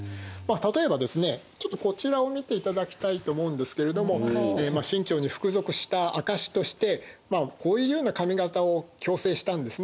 例えばですねちょっとこちらを見ていただきたいと思うんですけれども清朝に服属した証しとしてこういうような髪形を強制したんですね。